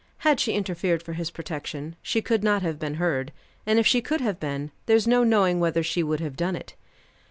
Had she interfered for his protection, she could not have been heard; and if she could have been, there's no knowing whether she would have done it.